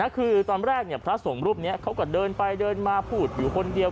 คือตอนแรกพระสงฆ์รูปนี้เขาก็เดินไปเดินมาพูดอยู่คนเดียว